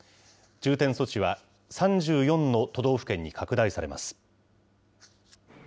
重点措置は３４の都道府県に拡大されます。